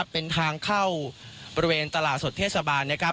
เป็นทางเข้าประเวนตลาดสด